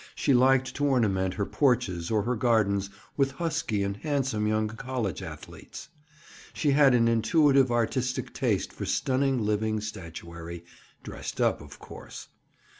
She liked to ornament her porches or her gardens with husky and handsome young college athletes. She had an intuitive artistic taste for stunning living statuary, "dressed up," of course.